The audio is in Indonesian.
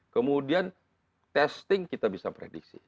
kemudian testing kita bisa prediksi